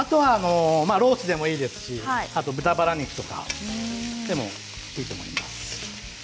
ロースでもいいですし豚バラ肉でもいいと思います。